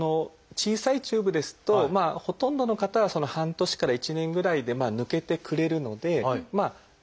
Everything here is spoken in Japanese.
小さいチューブですとほとんどの方は半年から１年ぐらいで抜けてくれるのでまあ